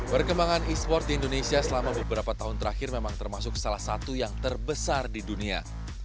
perkembangan e sport di indonesia selama beberapa tahun terakhir memang termasuk salah satu yang terbesar di dunia